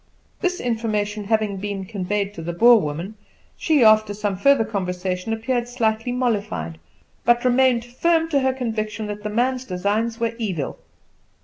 This information having been conveyed to the Boer woman, she, after some further conversation, appeared slightly mollified; but remained firm to her conviction that the man's designs were evil.